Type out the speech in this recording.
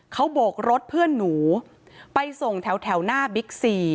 เขาโบกรถเพื่อนหนูไปส่งแถวหน้าบิ๊กซี